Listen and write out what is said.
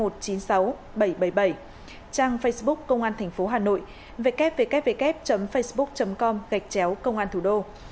trang facebook công an tp hà nội www facebook com gạch chéo công an thủ đô